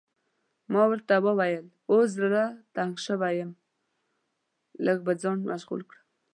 ما ورته وویل اوس زړه تنګ شوی یم، لږ به ځان مشغول کړم.